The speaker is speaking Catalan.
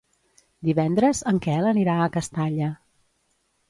Divendres en Quel anirà a Castalla.